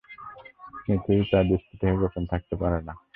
কিছুই তার দৃষ্টি থেকে গোপন থাকতে পারে না।